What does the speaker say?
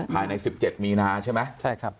ภายใน๑๗มีนาใช่ไหม